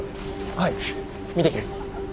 はい見てきます。